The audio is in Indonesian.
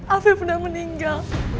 afif udah meninggal